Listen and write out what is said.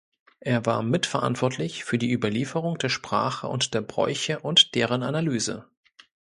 Er war mitverantwortlich für die Überlieferung der Sprache und der Bräuche und deren Analyse.